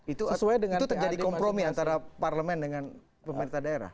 itu terjadi kompromi antara parlemen dengan pemerintah daerah